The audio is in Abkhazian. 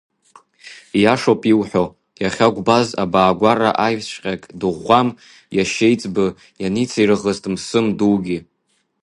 Ииашоуп иуҳәо, иахьа Гәбаз абаагәара аиԥшҵәҟьагь дыӷәӷәам, иашьеиҵбы ианицирӷызт Мсым Дугьы.